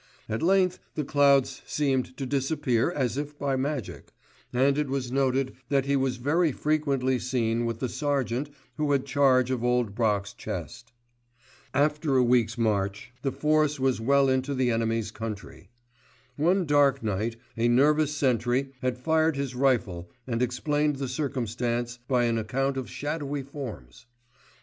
At length the clouds seemed to disappear as if by magic, and it was noted that he was very frequently seen with the sergeant who had charge of Old Brock's chest. After a week's march, the force was well into the enemy's country. One dark night a nervous sentry had fired his rifle and explained the circumstance by an account of shadowy forms.